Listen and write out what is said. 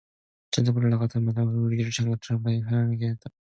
전등불이 낮같이 밝은데 그 위에 유리창문과 유리천장에 반사가 되어 눈이 부시게 휘황하였다.